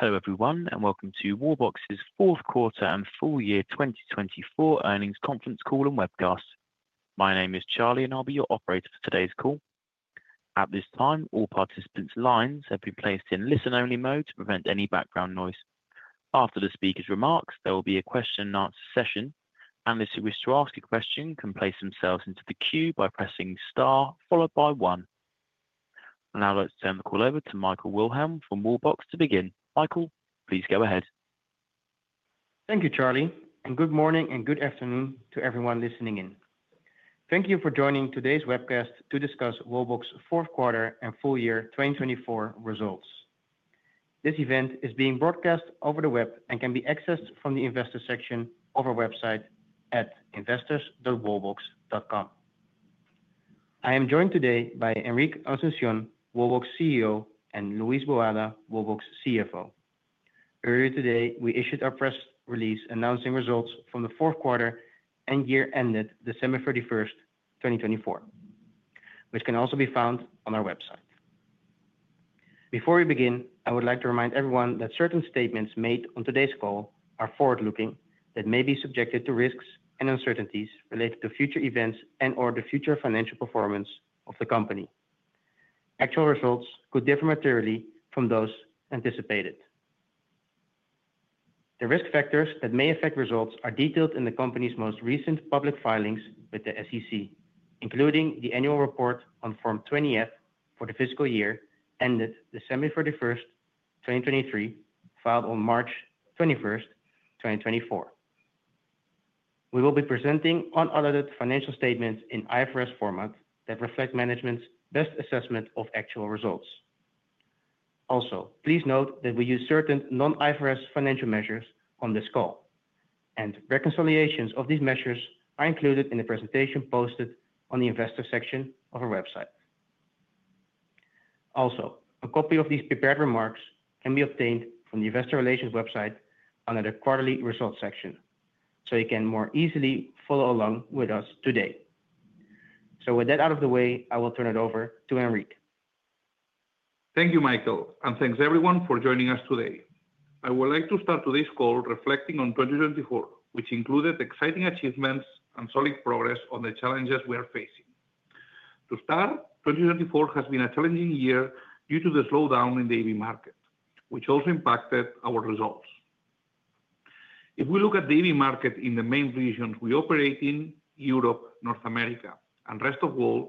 Hello everyone, and welcome to Wallbox's fourth quarter and full year 2024 earnings conference call and webcast. My name is Charlie, and I'll be your operator for today's call. At this time, all participants' lines have been placed in listen-only mode to prevent any background noise. After the speakers' remarks, there will be a question-and-answer session, and those who wish to ask a question can place themselves into the queue by pressing star followed by one. Now let's turn the call over to Michael Wilhelm from Wallbox to begin. Michael, please go ahead. Thank you, Charlie, and good morning and good afternoon to everyone listening in. Thank you for joining today's webcast to discuss Wallbox's fourth quarter and full year 2024 results. This event is being broadcast over the web and can be accessed from the investor section of our website at investors.wallbox.com. I am joined today by Enric Asunción, Wallbox CEO, and Luis Boada, Wallbox CFO. Earlier today, we issued our press release announcing results from the fourth quarter and year ended December 31, 2024, which can also be found on our website. Before we begin, I would like to remind everyone that certain statements made on today's call are forward-looking that may be subjected to risks and uncertainties related to future events and/or the future financial performance of the company. Actual results could differ materially from those anticipated. The risk factors that may affect results are detailed in the company's most recent public filings with the SEC, including the annual report on Form 20-F for the fiscal year ended December 31, 2023, filed on March 21, 2024. We will be presenting unaudited financial statements in IFRS format that reflect management's best assessment of actual results. Also, please note that we use certain non-IFRS financial measures on this call, and reconciliations of these measures are included in the presentation posted on the investor section of our website. Also, a copy of these prepared remarks can be obtained from the investor relations website under the quarterly results section, so you can more easily follow along with us today. With that out of the way, I will turn it over to Enric. Thank you, Michael, and thanks everyone for joining us today. I would like to start today's call reflecting on 2024, which included exciting achievements and solid progress on the challenges we are facing. To start, 2024 has been a challenging year due to the slowdown in the EV market, which also impacted our results. If we look at the EV market in the main regions we operate in, Europe, North America, and the rest of the world,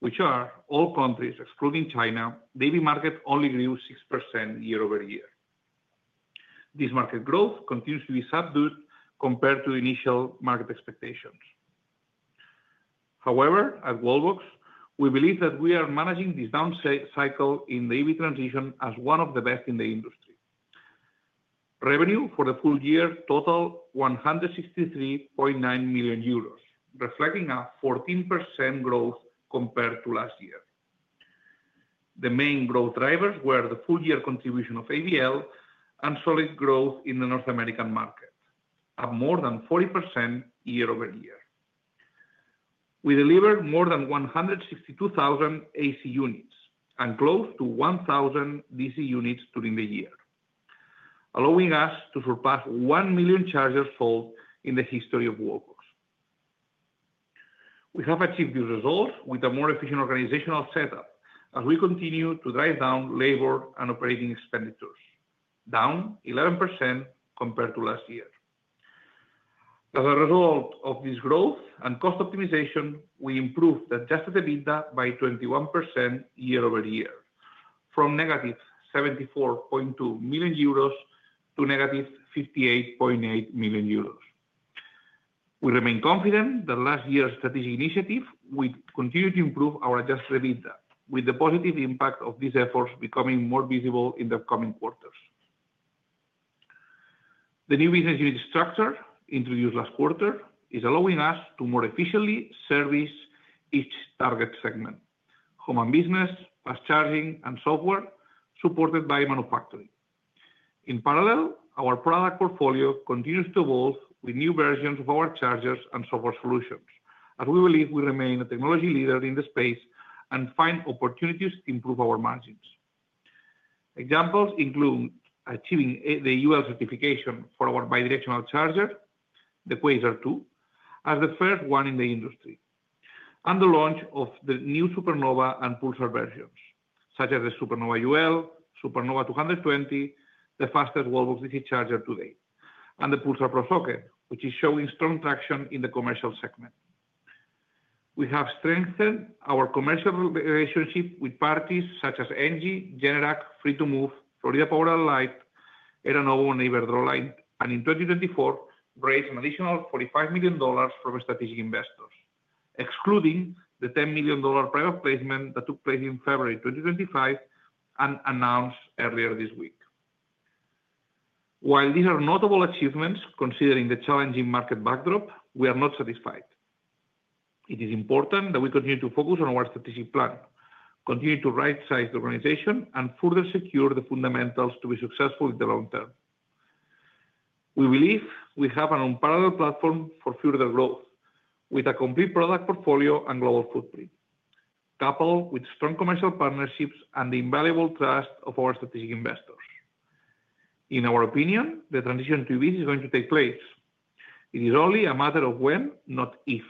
which are all countries excluding China, the EV market only grew 6% year over year. This market growth continues to be subdued compared to initial market expectations. However, at Wallbox, we believe that we are managing this downside cycle in the EV transition as one of the best in the industry. Revenue for the full year totaled 163.9 million euros, reflecting a 14% growth compared to last year. The main growth drivers were the full year contribution of ABL and solid growth in the North American market, up more than 40% year over year. We delivered more than 162,000 AC units and close to 1,000 DC units during the year, allowing us to surpass 1 million chargers sold in the history of Wallbox. We have achieved these results with a more efficient organizational setup as we continue to drive down labor and operating expenditures, down 11% compared to last year. As a result of this growth and cost optimization, we improved adjusted EBITDA by 21% year over year, from negative 74.2 million euros to negative 58.8 million euros. We remain confident that last year's strategic initiative will continue to improve our adjusted EBITDA, with the positive impact of these efforts becoming more visible in the coming quarters. The new business unit structure introduced last quarter is allowing us to more efficiently service each target segment: home and business, fast charging, and software supported by manufacturing. In parallel, our product portfolio continues to evolve with new versions of our chargers and software solutions, as we believe we remain a technology leader in the space and find opportunities to improve our margins. Examples include achieving the UL certification for our bidirectional charger, the Quasar 2, as the first one in the industry, and the launch of the new Supernova and Pulsar versions, such as the Supernova UL, Supernova 220, the fastest Wallbox DC charger today, and the Pulsar Pro Socket, which is showing strong traction in the commercial segment. We have strengthened our commercial relationship with parties such as Engie, Generac, Free to Move, Florida Power and Light, Aaron Levie, and EverCharge, and in 2024, raised an additional $45 million from strategic investors, excluding the $10 million private placement that took place in February 2025 and announced earlier this week. While these are notable achievements considering the challenging market backdrop, we are not satisfied. It is important that we continue to focus on our strategic plan, continue to right-size the organization, and further secure the fundamentals to be successful in the long term. We believe we have an unparalleled platform for further growth, with a complete product portfolio and global footprint, coupled with strong commercial partnerships and the invaluable trust of our strategic investors. In our opinion, the transition to EVs is going to take place. It is only a matter of when, not if.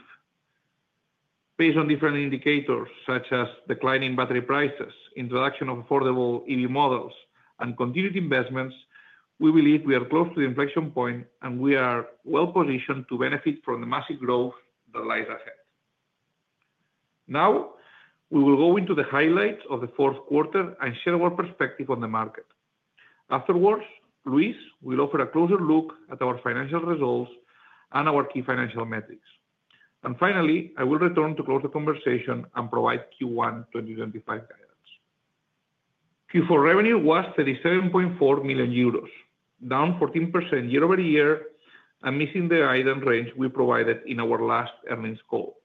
Based on different indicators such as declining battery prices, introduction of affordable EV models, and continued investments, we believe we are close to the inflection point, and we are well positioned to benefit from the massive growth that lies ahead. Now, we will go into the highlights of the fourth quarter and share our perspective on the market. Afterwards, I will offer a closer look at our financial results and our key financial metrics. Finally, I will return to close the conversation and provide Q1 2025 guidance. Q4 revenue was 37.4 million euros, down 14% year over year, and missing the item range we provided in our last earnings call,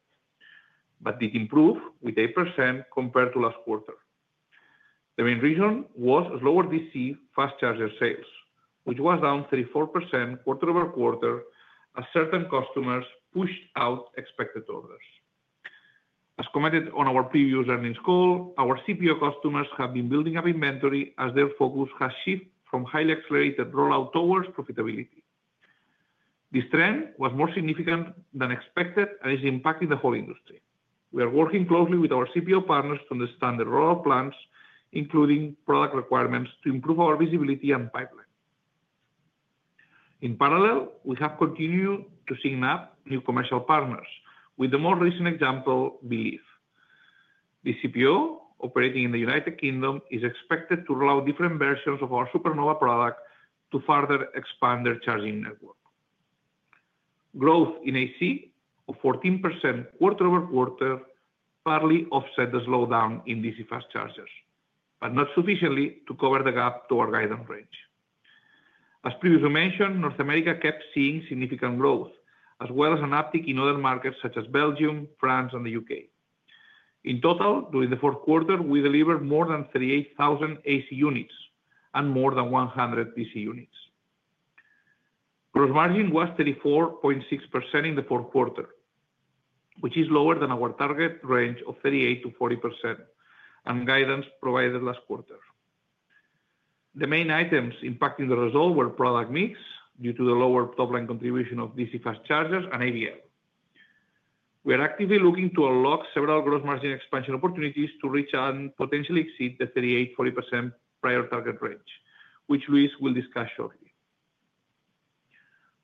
but did improve with 8% compared to last quarter. The main reason was slower DC fast charger sales, which was down 34% quarter over quarter as certain customers pushed out expected orders. As commented on our previous earnings call, our CPO customers have been building up inventory as their focus has shifted from highly accelerated rollout towards profitability. This trend was more significant than expected and is impacting the whole industry. We are working closely with our CPO partners to understand the rollout plans, including product requirements, to improve our visibility and pipeline. In parallel, we have continued to sign up new commercial partners, with the most recent example being the CPO operating in the U.K., who is expected to roll out different versions of our Supernova product to further expand their charging network. Growth in AC of 14% quarter over quarter partly offsets the slowdown in DC fast chargers, but not sufficiently to cover the gap to our guidance range. As previously mentioned, North America kept seeing significant growth, as well as an uptick in other markets such as Belgium, France, and the U.K. In total, during the fourth quarter, we delivered more than 38,000 AC units and more than 100 DC units. Gross margin was 34.6% in the fourth quarter, which is lower than our target range of 38%-40% and guidance provided last quarter. The main items impacting the result were product mix due to the lower top-line contribution of DC fast chargers and ABL. We are actively looking to unlock several gross margin expansion opportunities to reach and potentially exceed the 38%-40% prior target range, which Luis will discuss shortly.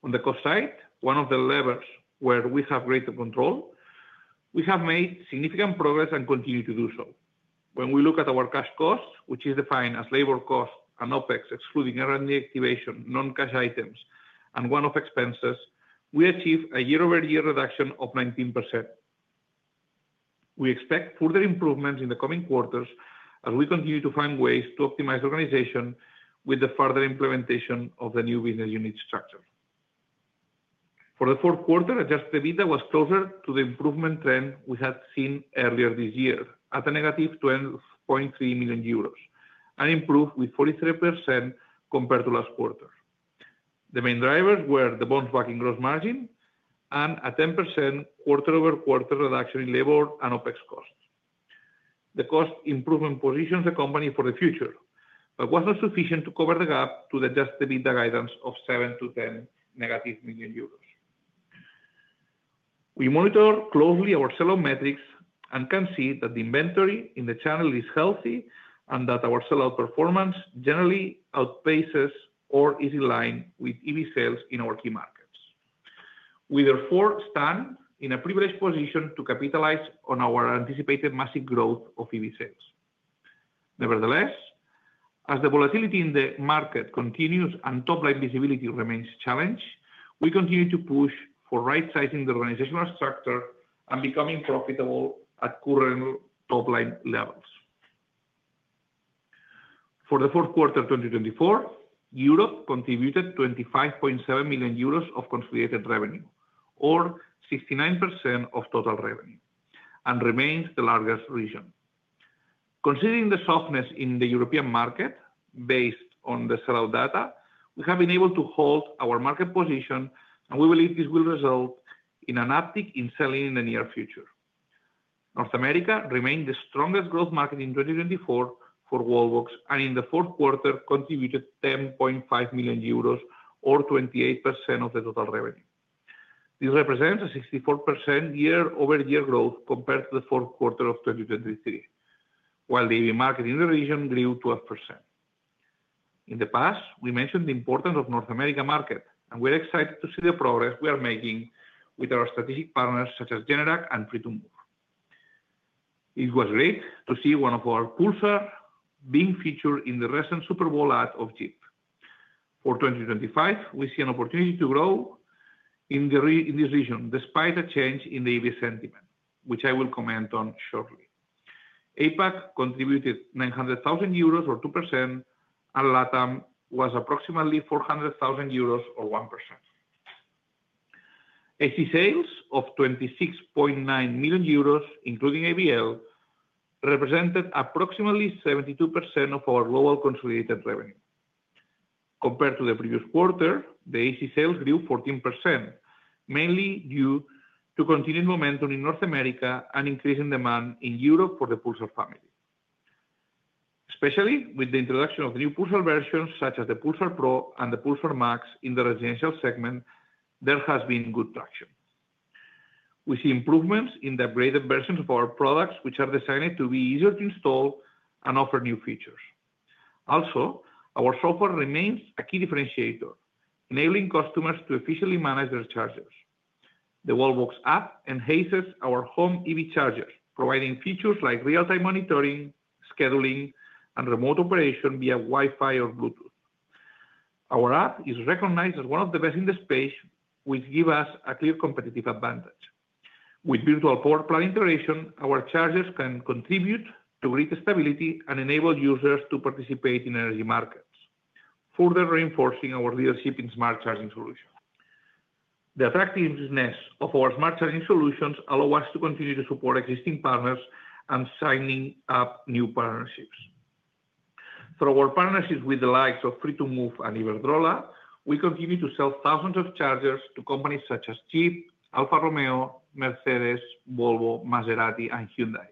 On the cost side, one of the levers where we have greater control, we have made significant progress and continue to do so. When we look at our cash costs, which are defined as labor costs and OpEX, excluding R&D activation, non-cash items, and one-off expenses, we achieve a year-over-year reduction of 19%. We expect further improvements in the coming quarters as we continue to find ways to optimize organization with the further implementation of the new business unit structure. For the fourth quarter, adjusted EBITDA was closer to the improvement trend we had seen earlier this year, at a negative 12.3 million euros, and improved with 43% compared to last quarter. The main drivers were the bounce-back in gross margin and a 10% quarter-over-quarter reduction in labor and OpEX costs. The cost improvement positions the company for the future, but was not sufficient to cover the gap to the adjusted EBITDA guidance of 7-10 million euros. We monitor closely our sell-out metrics and can see that the inventory in the channel is healthy and that our sell-out performance generally outpaces or is in line with EV sales in our key markets. We, therefore, stand in a privileged position to capitalize on our anticipated massive growth of EV sales. Nevertheless, as the volatility in the market continues and top-line visibility remains challenged, we continue to push for right-sizing the organizational structure and becoming profitable at current top-line levels. For the fourth quarter of 2024, Europe contributed 25.7 million euros of consolidated revenue, or 69% of total revenue, and remains the largest region. Considering the softness in the European market based on the sell-out data, we have been able to hold our market position, and we believe this will result in an uptick in selling in the near future. North America remained the strongest growth market in 2024 for Wallbox and in the fourth quarter contributed 10.5 million euros, or 28% of the total revenue. This represents a 64% year-over-year growth compared to the fourth quarter of 2023, while the EV market in the region grew 12%. In the past, we mentioned the importance of the North America market, and we are excited to see the progress we are making with our strategic partners such as Generac and Free to Move. It was great to see one of our Pulsar being featured in the recent Super Bowl ad of Jeep. For 2025, we see an opportunity to grow in this region despite a change in the EV sentiment, which I will comment on shortly. APAC contributed 900,000 euros, or 2%, and LATAM was approximately 400,000 euros, or 1%. AC sales of 26.9 million euros, including ABL, represented approximately 72% of our global consolidated revenue. Compared to the previous quarter, the AC sales grew 14%, mainly due to continued momentum in North America and increasing demand in Europe for the Pulsar family. Especially with the introduction of new Pulsar versions such as the Pulsar Pro and the Pulsar Max in the residential segment, there has been good traction. We see improvements in the upgraded versions of our products, which are designed to be easier to install and offer new features. Also, our software remains a key differentiator, enabling customers to efficiently manage their chargers. The Wallbox app enhances our home EV chargers, providing features like real-time monitoring, scheduling, and remote operation via Wi-Fi or Bluetooth. Our app is recognized as one of the best in the space, which gives us a clear competitive advantage. With virtual power plan integration, our chargers can contribute to greater stability and enable users to participate in energy markets, further reinforcing our leadership in smart charging solutions. The attractiveness of our smart charging solutions allows us to continue to support existing partners and sign up new partnerships. Through our partnerships with the likes of Free to Move and EverCharge, we continue to sell thousands of chargers to companies such as Jeep, Alfa Romeo, Mercedes, Volvo, Maserati, and Hyundai.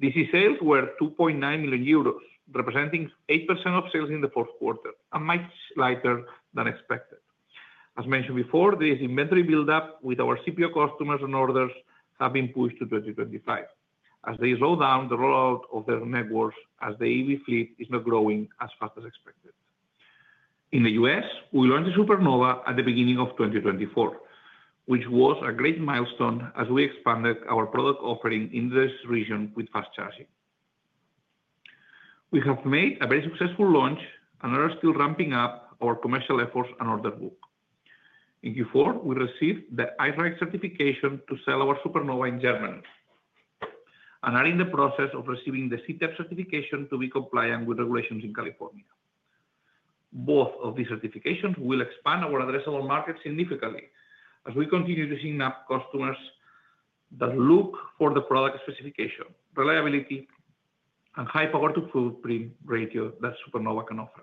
DC sales were 2.9 million euros, representing 8% of sales in the fourth quarter, and much lighter than expected. As mentioned before, this inventory build-up with our CPO customers and orders has been pushed to 2025, as they slow down the rollout of their networks as the EV fleet is not growing as fast as expected. In the U.S., we launched the Supernova at the beginning of 2024, which was a great milestone as we expanded our product offering in this region with fast charging. We have made a very successful launch and are still ramping up our commercial efforts and order book. In Q4, we received the iDRAC certification to sell our Supernova in Germany and are in the process of receiving the CTEP certification to be compliant with regulations in California. Both of these certifications will expand our addressable market significantly as we continue to sign up customers that look for the product specification, reliability, and high power-to-footprint ratio that Supernova can offer.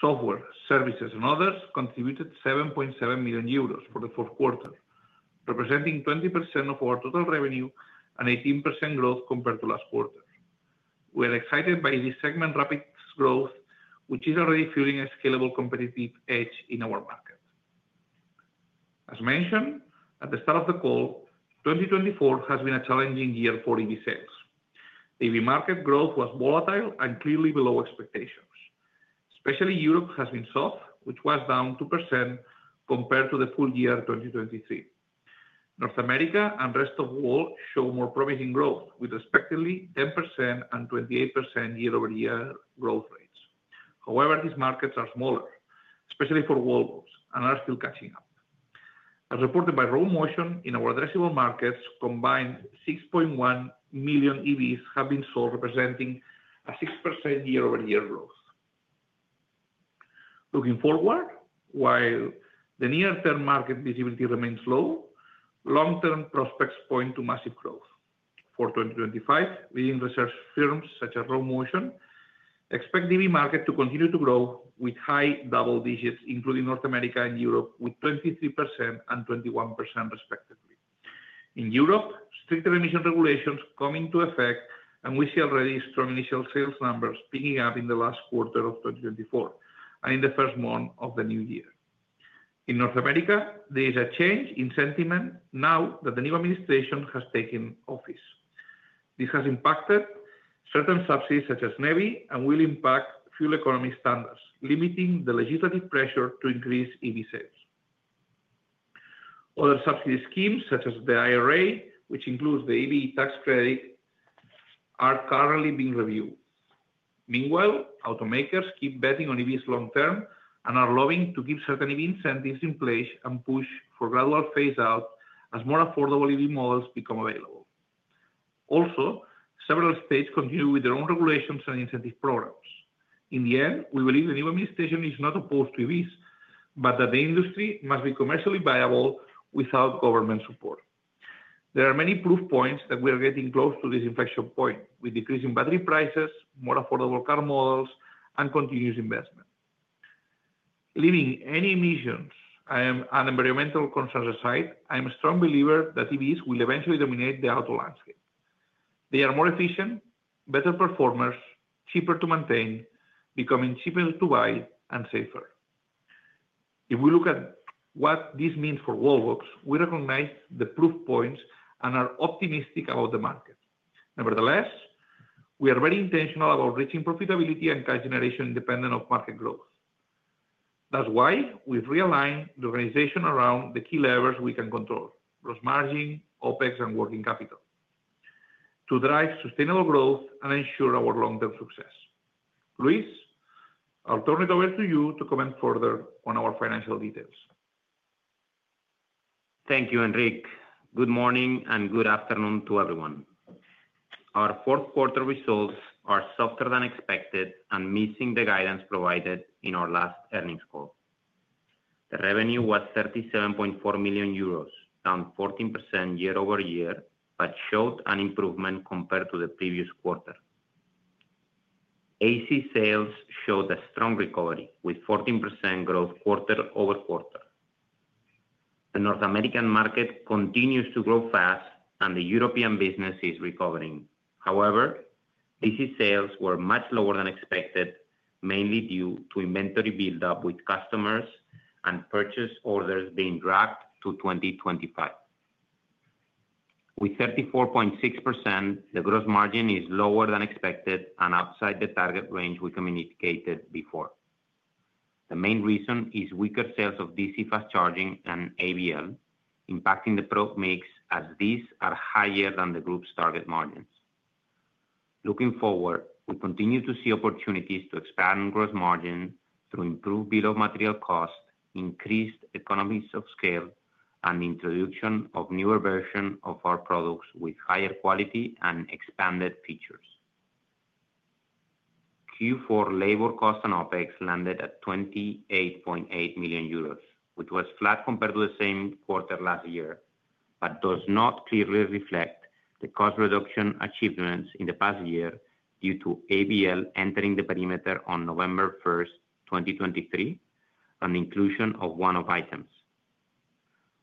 Software, services, and others contributed 7.7 million euros for the fourth quarter, representing 20% of our total revenue and 18% growth compared to last quarter. We are excited by this segment's rapid growth, which is already fueling a scalable competitive edge in our market. As mentioned at the start of the call, 2024 has been a challenging year for EV sales. The EV market growth was volatile and clearly below expectations. Especially Europe has been soft, which was down 2% compared to the full year 2023. North America and the rest of the world show more promising growth with respectively 10% and 28% year-over-year growth rates. However, these markets are smaller, especially for Wallbox, and are still catching up. As reported by Rho Motion, in our addressable markets, combined 6.1 million EVs have been sold, representing a 6% year-over-year growth. Looking forward, while the near-term market visibility remains low, long-term prospects point to massive growth. For 2025, leading research firms such as Rho Motion expect the EV market to continue to grow with high-double digits, including North America and Europe, with 23% and 21% respectively. In Europe, stricter emission regulations are coming into effect, and we see already strong initial sales numbers picking up in the last quarter of 2024 and in the first month of the new year. In North America, there is a change in sentiment now that the new administration has taken office. This has impacted certain subsidies such as NEVI and will impact fuel economy standards, limiting the legislative pressure to increase EV sales. Other subsidy schemes, such as the IRA, which includes the EV tax credit, are currently being reviewed. Meanwhile, automakers keep betting on EVs long-term and are looking to keep certain EV incentives in place and push for gradual phase-out as more affordable EV models become available. Also, several states continue with their own regulations and incentive programs. In the end, we believe the new administration is not opposed to EVs, but that the industry must be commercially viable without government support. There are many proof points that we are getting close to this inflection point, with decreasing battery prices, more affordable car models, and continuous investment. Leaving any emissions and environmental concerns aside, I am a strong believer that EVs will eventually dominate the auto landscape. They are more efficient, better performers, cheaper to maintain, becoming cheaper to buy, and safer. If we look at what this means for Wallbox, we recognize the proof points and are optimistic about the market. Nevertheless, we are very intentional about reaching profitability and car generation independent of market growth. That's why we've realigned the organization around the key levers we can control: gross margin, OpEx, and working capital to drive sustainable growth and ensure our long-term success. Luis, I'll turn it over to you to comment further on our financial details. Thank you, Enric. Good morning and good afternoon to everyone. Our fourth quarter results are softer than expected and missing the guidance provided in our last earnings call. The revenue was 37.4 million euros, down 14% year-over-year, but showed an improvement compared to the previous quarter. AC sales showed a strong recovery, with 14% growth quarter over quarter. The North American market continues to grow fast, and the European business is recovering. However, AC sales were much lower than expected, mainly due to inventory build-up with customers and purchase orders being dragged to 2025. With 34.6%, the gross margin is lower than expected and outside the target range we communicated before. The main reason is weaker sales of DC fast charging and ABL, impacting the product mix as these are higher than the group's target margins. Looking forward, we continue to see opportunities to expand gross margin through improved bill of material cost, increased economies of scale, and the introduction of newer versions of our products with higher quality and expanded features. Q4 labor costs and OPEX landed at 28.8 million euros, which was flat compared to the same quarter last year, but does not clearly reflect the cost reduction achievements in the past year due to ABL entering the perimeter on November 1, 2023, and the inclusion of one-off items.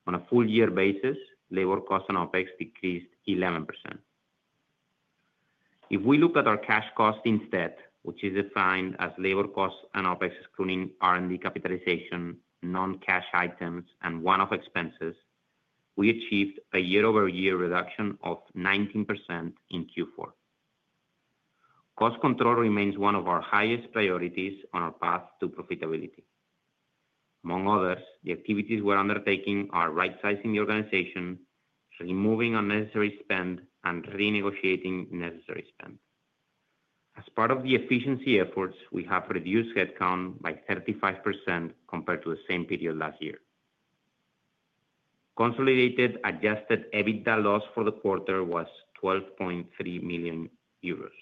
On a full-year basis, labor costs and OPEX decreased 11%. If we look at our cash cost instead, which is defined as labor costs and OPEX excluding R&D capitalization, non-cash items, and one-off expenses, we achieved a year-over-year reduction of 19% in Q4. Cost control remains one of our highest priorities on our path to profitability. Among others, the activities we're undertaking are right-sizing the organization, removing unnecessary spend, and renegotiating necessary spend. As part of the efficiency efforts, we have reduced headcount by 35% compared to the same period last year. Consolidated adjusted EBITDA loss for the quarter was 12.3 million euros.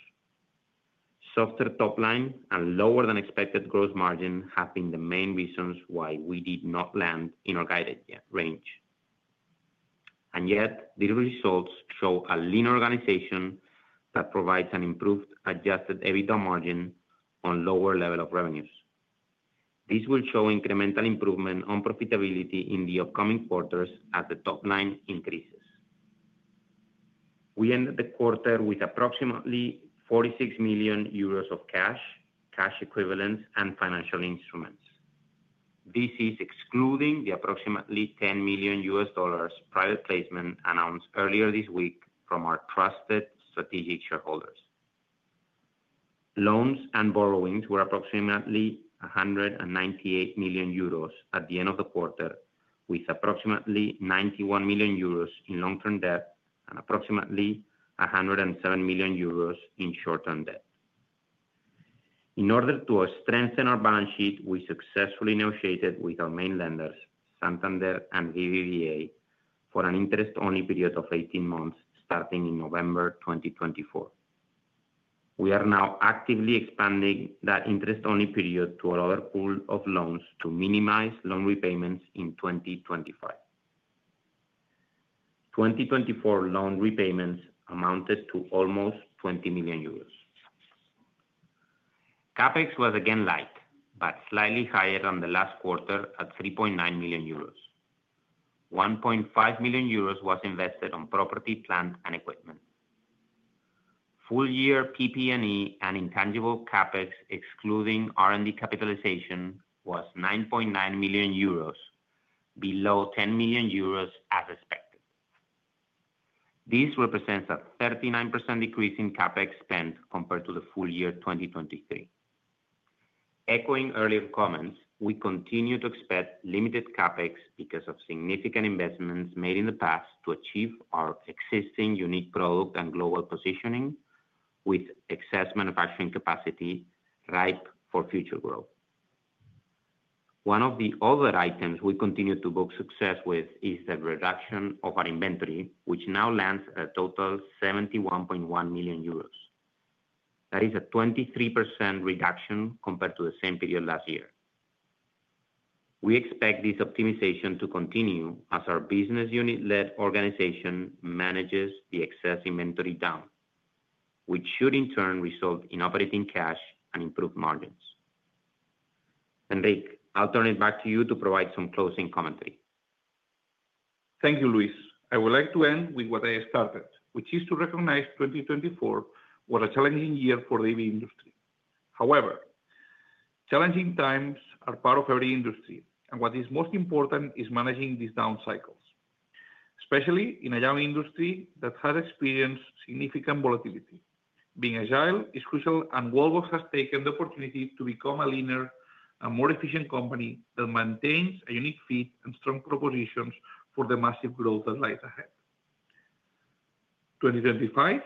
Softer top-line and lower-than-expected gross margin have been the main reasons why we did not land in our guided range. Yet, these results show a lean organization that provides an improved adjusted EBITDA margin on lower levels of revenues. This will show incremental improvement on profitability in the upcoming quarters as the top-line increases. We ended the quarter with approximately 46 million euros of cash, cash equivalents, and financial instruments. This is excluding the approximately EUR 10 million private placement announced earlier this week from our trusted strategic shareholders. Loans and borrowings were approximately 198 million euros at the end of the quarter, with approximately 91 million euros in long-term debt and approximately 107 million euros in short-term debt. In order to strengthen our balance sheet, we successfully negotiated with our main lenders, Santander and BBVA, for an interest-only period of 18 months starting in November 2024. We are now actively expanding that interest-only period to a lower pool of loans to minimize loan repayments in 2025. 2024 loan repayments amounted to almost 20 million euros. CapEx was again light, but slightly higher than the last quarter at 3.9 million euros. 1.5 million euros was invested on property, plant, and equipment. Full-year PP&E and intangible CapEx, excluding R&D capitalization, was 9.9 million euros, below 10 million euros as expected. This represents a 39% decrease in CapEx spent compared to the full year 2023. Echoing earlier comments, we continue to expect limited CapEx because of significant investments made in the past to achieve our existing unique product and global positioning, with excess manufacturing capacity ripe for future growth. One of the other items we continue to book success with is the reduction of our inventory, which now lands at a total of 71.1 million euros. That is a 23% reduction compared to the same period last year. We expect this optimization to continue as our business unit-led organization manages the excess inventory down, which should in turn result in operating cash and improved margins. Enric, I'll turn it back to you to provide some closing commentary. Thank you, Luis. I would like to end with what I started, which is to recognize 2024 was a challenging year for the EV industry. However, challenging times are part of every industry, and what is most important is managing these down cycles, especially in a young industry that has experienced significant volatility. Being agile is crucial, and Wallbox has taken the opportunity to become a leaner and more efficient company that maintains a unique fit and strong propositions for the massive growth that lies ahead. 2025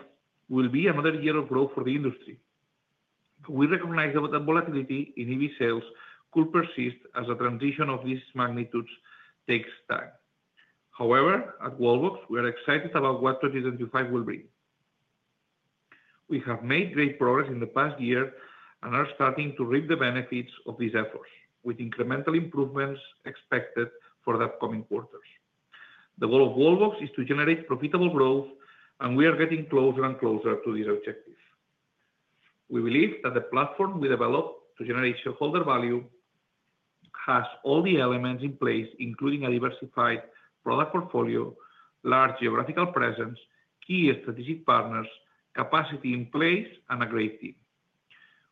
will be another year of growth for the industry. We recognize that volatility in EV sales could persist as the transition of these magnitudes takes time. However, at Wallbox, we are excited about what 2025 will bring. We have made great progress in the past year and are starting to reap the benefits of these efforts, with incremental improvements expected for the upcoming quarters. The goal of Wallbox is to generate profitable growth, and we are getting closer and closer to this objective. We believe that the platform we developed to generate shareholder value has all the elements in place, including a diversified product portfolio, large geographical presence, key strategic partners, capacity in place, and a great team.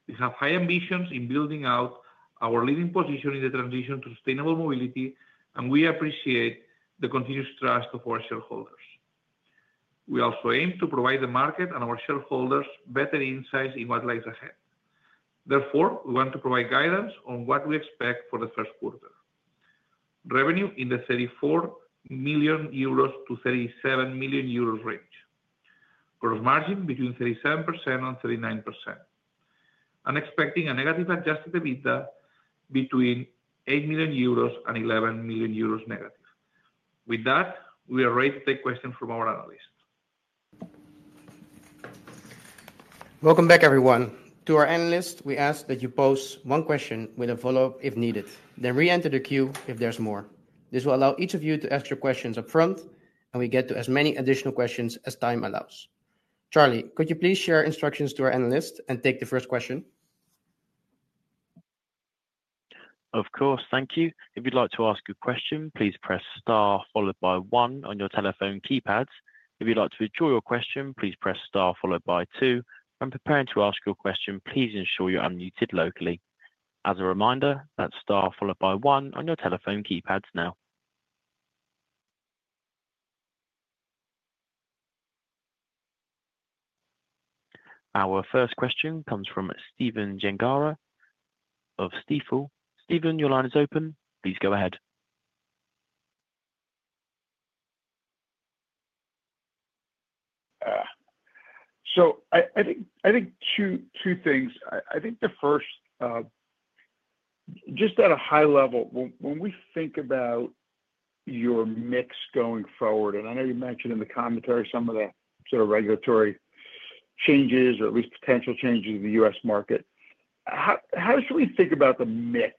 We have high ambitions in building out our leading position in the transition to sustainable mobility, and we appreciate the continuous trust of our shareholders. We also aim to provide the market and our shareholders better insights in what lies ahead. Therefore, we want to provide guidance on what we expect for the first quarter: revenue in the 34 million-37 million euros range, gross margin between 37%-39%, and expecting a negative adjusted EBITDA between 8 million euros and 11 million euros negative. With that, we are ready to take questions from our analysts. Welcome back, everyone. To our analysts, we ask that you post one question with a follow-up if needed. Then re-enter the queue if there's more. This will allow each of you to ask your questions upfront, and we get to as many additional questions as time allows. Charlie, could you please share instructions to our analysts and take the first question? Of course, thank you. If you'd like to ask a question, please press star followed by one on your telephone keypads. If you'd like to withdraw your question, please press star followed by two. When preparing to ask your question, please ensure you're unmuted locally. As a reminder, that's star followed by one on your telephone keypads now. Our first question comes from Stephen Gengara of Stifel. Stephen, your line is open. Please go ahead. I think two things. I think the first, just at a high level, when we think about your mix going forward, and I know you mentioned in the commentary some of the sort of regulatory changes or at least potential changes in the U.S. market, how should we think about the mix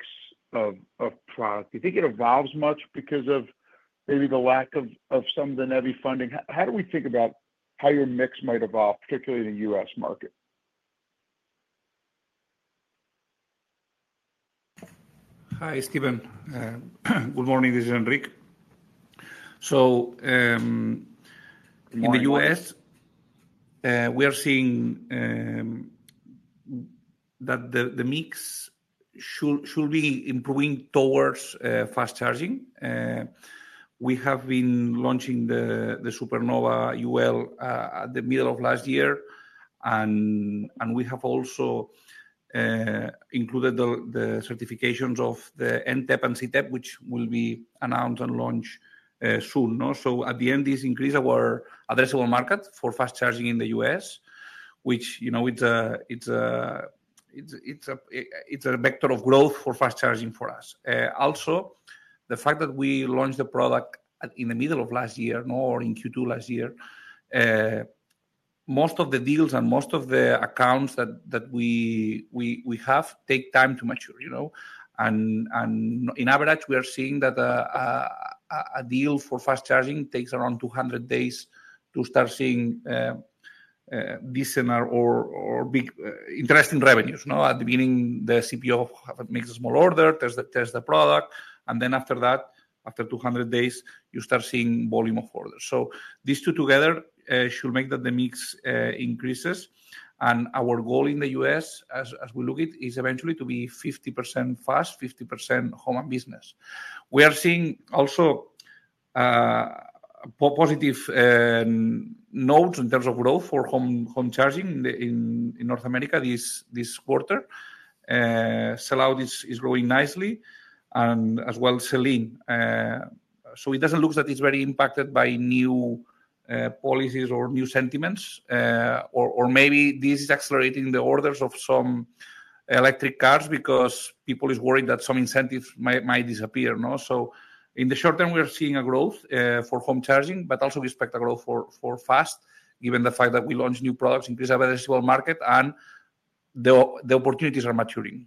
of product? Do you think it evolves much because of maybe the lack of some of the NEVI funding? How do we think about how your mix might evolve, particularly in the U.S. market? Hi, Stephen. Good morning. This is Enric. In the U.S., we are seeing that the mix should be improving towards fast charging. We have been launching the Supernova UL at the middle of last year, and we have also included the certifications of the NTEP and CTEP, which will be announced and launched soon. At the end, this increased our addressable market for fast charging in the U.S., which is a vector of growth for fast charging for us. Also, the fact that we launched the product in the middle of last year or in Q2 last year, most of the deals and most of the accounts that we have take time to mature. On average, we are seeing that a deal for fast charging takes around 200 days to start seeing decent or interesting revenues. At the beginning, the CPO makes a small order, tests the product, and then after that, after 200 days, you start seeing volume of orders. These two together should make the mix increase. Our goal in the U.S., as we look at it, is eventually to be 50% fast, 50% home and business. We are seeing also positive notes in terms of growth for home charging in North America this quarter. Sellout is growing nicely, and as well, selling. It does not look that it is very impacted by new policies or new sentiments, or maybe this is accelerating the orders of some electric cars because people are worried that some incentives might disappear. In the short term, we are seeing a growth for home charging, but also we expect a growth for fast, given the fact that we launched new products, increased our addressable market, and the opportunities are maturing.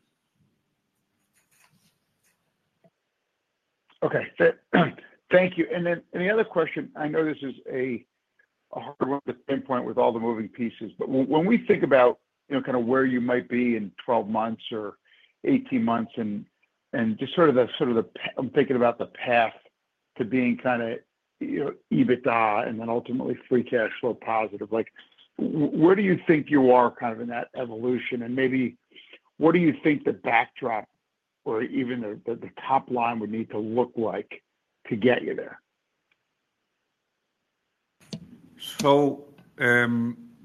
Okay. Thank you. The other question, I know this is a hard one to pinpoint with all the moving pieces, but when we think about kind of where you might be in 12 months or 18 months and just sort of the sort of the I'm thinking about the path to being kind of EBITDA and then ultimately free cash flow positive, where do you think you are kind of in that evolution? Maybe what do you think the backdrop or even the top line would need to look like to get you there?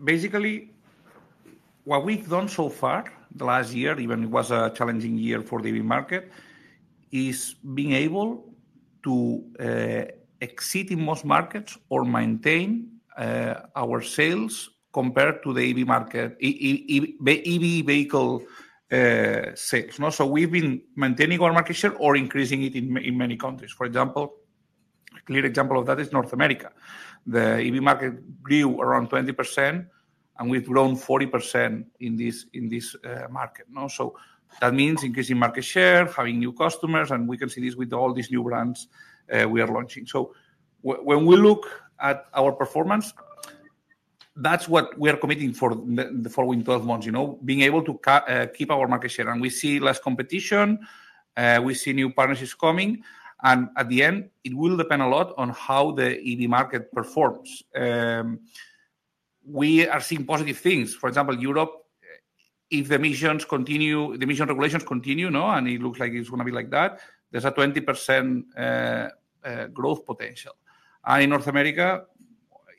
Basically, what we've done so far the last year, even it was a challenging year for the EV market, is being able to exceed in most markets or maintain our sales compared to the EV market, EV vehicle sales. We've been maintaining our market share or increasing it in many countries. For example, a clear example of that is North America. The EV market grew around 20%, and we've grown 40% in this market. That means increasing market share, having new customers, and we can see this with all these new brands we are launching. When we look at our performance, that's what we are committing for the following 12 months, being able to keep our market share. We see less competition. We see new partnerships coming. At the end, it will depend a lot on how the EV market performs. We are seeing positive things. For example, Europe, if the emissions continue, the emission regulations continue, and it looks like it's going to be like that, there's a 20% growth potential. In North America,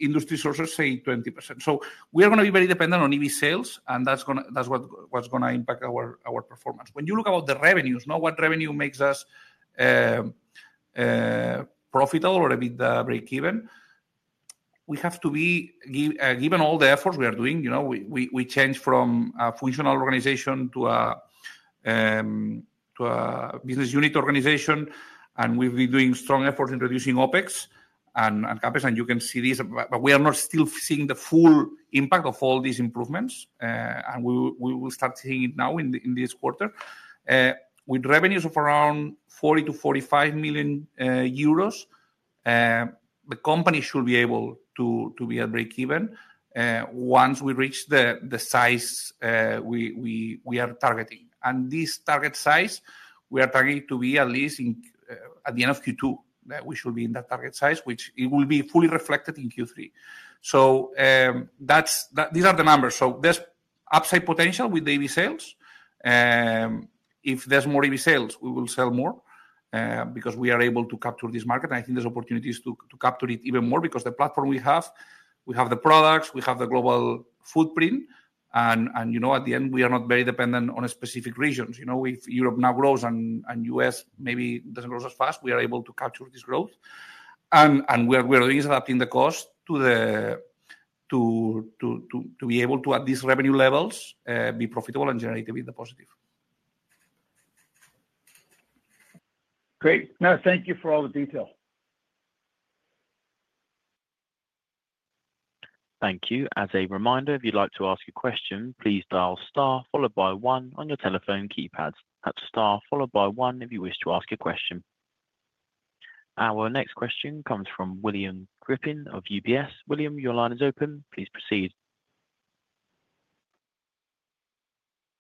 industry sources say 20%. We are going to be very dependent on EV sales, and that's what's going to impact our performance. When you look at the revenues, what revenue makes us profitable or EBITDA breakeven, we have to be given all the efforts we are doing. We changed from a functional organization to a business unit organization, and we've been doing strong efforts in reducing OpEx and CapEx, and you can see this. We are not still seeing the full impact of all these improvements, and we will start seeing it now in this quarter. With revenues of around 40 million-45 million euros, the company should be able to be at breakeven once we reach the size we are targeting. This target size, we are targeting to be at least at the end of Q2. We should be in that target size, which will be fully reflected in Q3. These are the numbers. There is upside potential with the EV sales. If there are more EV sales, we will sell more because we are able to capture this market. I think there are opportunities to capture it even more because the platform we have, we have the products, we have the global footprint. At the end, we are not very dependent on specific regions. If Europe now grows and the U.S. maybe does not grow as fast, we are able to capture this growth. What we are doing is adapting the cost to be able to, at these revenue levels, be profitable and generate EBITDA positive. Great. No, thank you for all the detail. Thank you. As a reminder, if you would like to ask a question, please dial star followed by one on your telephone keypads. That is star followed by one if you wish to ask a question. Our next question comes from William Griffin of UBS. William, your line is open. Please proceed.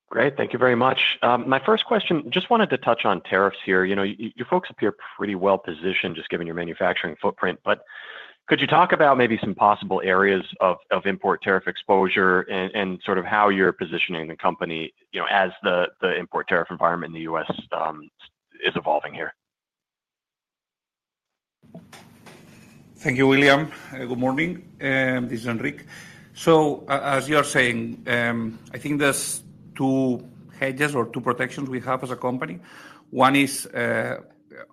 Great. Thank you very much. My first question, just wanted to touch on tariffs here. Your folks appear pretty well positioned, just given your manufacturing footprint. Could you talk about maybe some possible areas of import tariff exposure and sort of how you're positioning the company as the import tariff environment in the U.S. is evolving here? Thank you, William. Good morning. This is Enric. As you are saying, I think there's two hedges or two protections we have as a company. One is,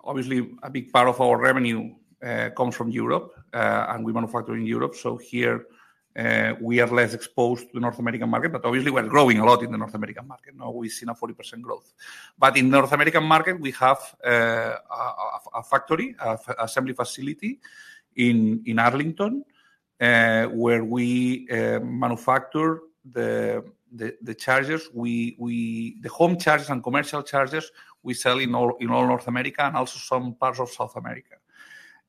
obviously, a big part of our revenue comes from Europe, and we manufacture in Europe. Here, we are less exposed to the North American market. Obviously, we are growing a lot in the North American market. We've seen a 40% growth. In the North American market, we have a factory, an assembly facility in Arlington where we manufacture the chargers, the home chargers and commercial chargers we sell in all North America and also some parts of South America.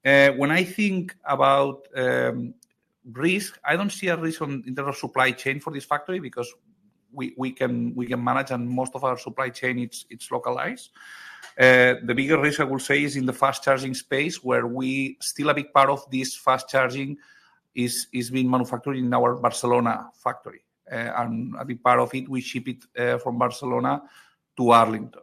When I think about risk, I don't see a risk in terms of supply chain for this factory because we can manage, and most of our supply chain, it's localized. The bigger risk, I would say, is in the fast charging space where still a big part of this fast charging is being manufactured in our Barcelona factory. A big part of it, we ship it from Barcelona to Arlington.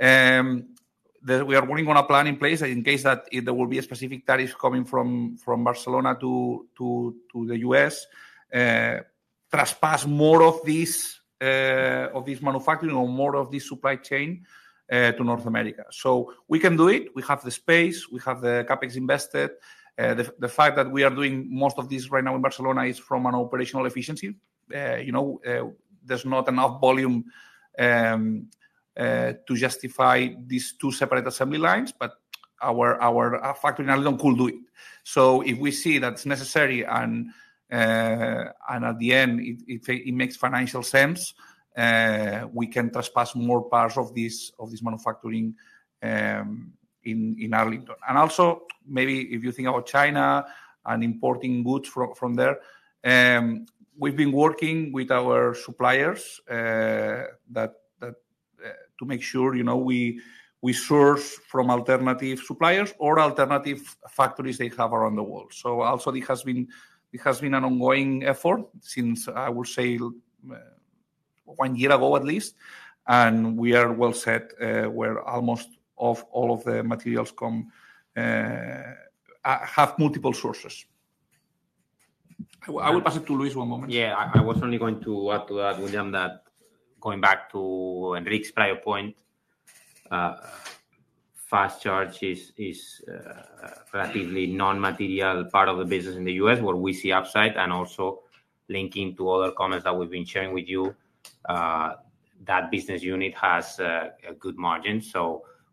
We are working on a plan in place in case that there will be specific tariffs coming from Barcelona to the U.S., trespass more of this manufacturing or more of this supply chain to North America. We can do it. We have the space. We have the CapEx invested. The fact that we are doing most of this right now in Barcelona is from an operational efficiency. There is not enough volume to justify these two separate assembly lines, but our factory in Arlington could do it. If we see that it is necessary and at the end, it makes financial sense, we can trespass more parts of this manufacturing in Arlington. Also, maybe if you think about China and importing goods from there, we have been working with our suppliers to make sure we source from alternative suppliers or alternative factories they have around the world. This has been an ongoing effort since, I would say, one year ago at least. We are well set where almost all of the materials have multiple sources. I will pass it to Luis one moment. Yeah. I was only going to add to that, William, that going back to Enric's prior point, fast charge is a relatively non-material part of the business in the U.S. where we see upside. Also, linking to other comments that we've been sharing with you, that business unit has good margins.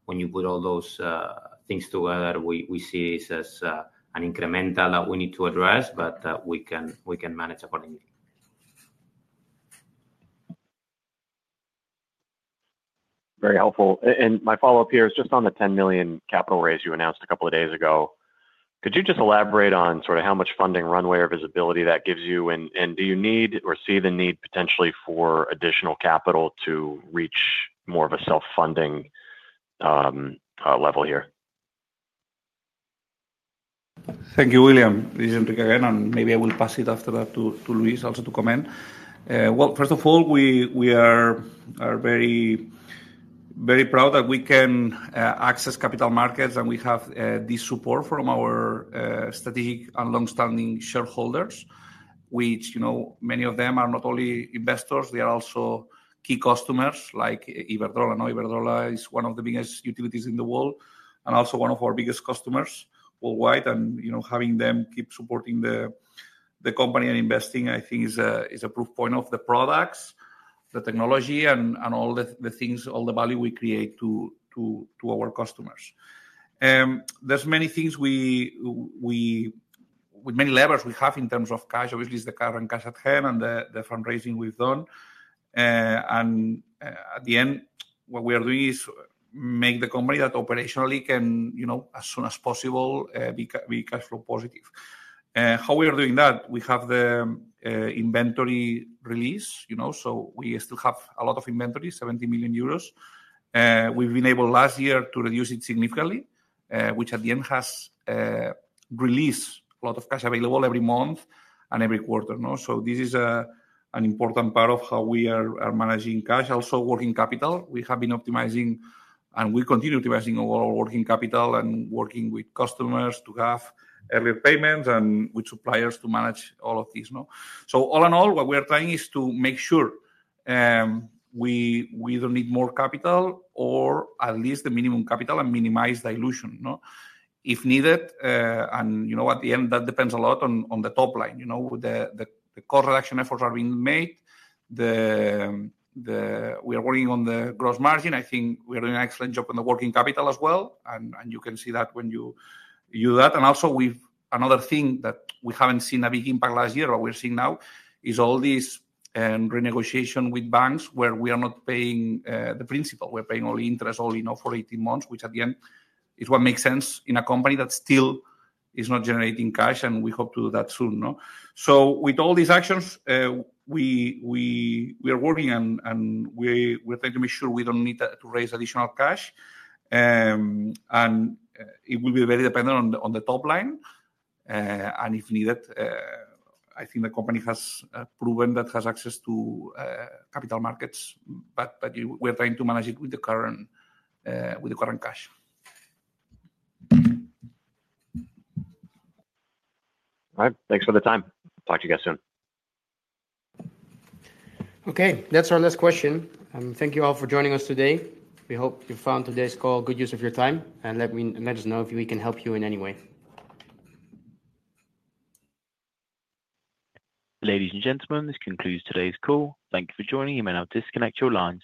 When you put all those things together, we see this as an incremental that we need to address, but we can manage accordingly. Very helpful. My follow-up here is just on the $10 million capital raise you announced a couple of days ago. Could you just elaborate on sort of how much funding runway or visibility that gives you? Do you need or see the need potentially for additional capital to reach more of a self-funding level here? Thank you, William. This is Enric again. Maybe I will pass it after that to Luis also to comment. First of all, we are very proud that we can access capital markets, and we have this support from our strategic and long-standing shareholders, which many of them are not only investors, they are also key customers like Iberdrola. Iberdrola is one of the biggest utilities in the world and also one of our biggest customers worldwide. Having them keep supporting the company and investing, I think, is a proof point of the products, the technology, and all the things, all the value we create to our customers. There are many things with many levers we have in terms of cash. Obviously, it is the car and cash at hand and the fundraising we have done. At the end, what we are doing is make the company that operationally can, as soon as possible, be cash flow positive. How we are doing that? We have the inventory release. We still have a lot of inventory, 70 million euros. We have been able last year to reduce it significantly, which at the end has released a lot of cash available every month and every quarter. This is an important part of how we are managing cash. Also, working capital. We have been optimizing, and we continue optimizing our working capital and working with customers to have earlier payments and with suppliers to manage all of these. All in all, what we are trying is to make sure we do not need more capital or at least the minimum capital and minimize dilution if needed. At the end, that depends a lot on the top line. The cost reduction efforts are being made. We are working on the gross margin. I think we are doing an excellent job on the working capital as well. You can see that when you do that. Also, another thing that we have not seen a big impact last year, but we are seeing now, is all this renegotiation with banks where we are not paying the principal. We are paying only interest, only for 18 months, which at the end is what makes sense in a company that still is not generating cash, and we hope to do that soon. With all these actions, we are working, and we are trying to make sure we do not need to raise additional cash. It will be very dependent on the top line. If needed, I think the company has proven that it has access to capital markets. We're trying to manage it with the current cash. All right. Thanks for the time. Talk to you guys soon. Okay. That's our last question. Thank you all for joining us today. We hope you found today's call a good use of your time. Let us know if we can help you in any way. Ladies and gentlemen, this concludes today's call. Thank you for joining. You may now disconnect your lines.